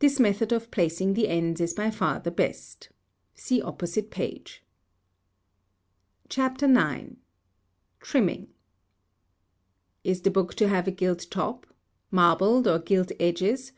this method of placing the ends is by far the best. See opposite page. CHAPTER IX. TRIMMING. Is the book to have a gilt top? marbled or gilt edges?